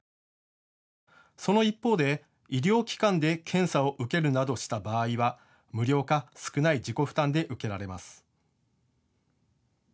その一方で医療機関で検査を受けるなどした場合は無料か少ない自己負担で受けられます。